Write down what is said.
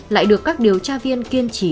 lại được các điều tra viên kiên trì